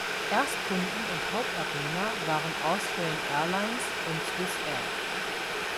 Erstkunden und Hauptabnehmer waren Austrian Airlines und Swissair.